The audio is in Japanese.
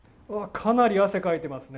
かなり汗かいてますね。